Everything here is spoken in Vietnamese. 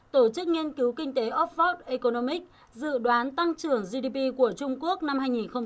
tổ chức nghiên cứu kinh tế upvote economics dự đoán tăng trưởng gdp của trung quốc năm hai nghìn một mươi chín